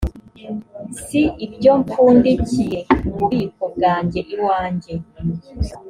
si ibyo mpfundikiye mu bubiko bwanjye iwanjye?